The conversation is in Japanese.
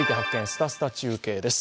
すたすた中継」です。